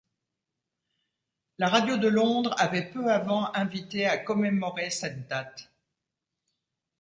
La radio de Londres avait peu avant invité à commémorer cette date.